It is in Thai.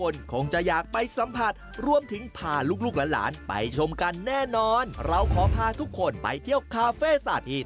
ต้องบอกว่าคาเฟ่เหล่านี้นะโอ้โหเสือเนี่ยมันร้องแวว